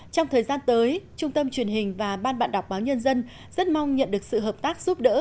trong thời gian tới trung tâm truyền hình và ban bạn đọc báo nhân dân rất mong nhận được sự hợp tác giúp đỡ